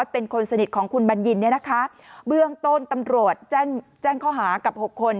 เป็นคนสนิทของคุณบัญญินเนี่ยนะคะเบื้องต้นตำรวจแจ้งข้อหากับ๖คน